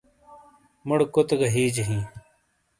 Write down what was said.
مُوڑے کوتے گہ ہِیجے ہِیں۔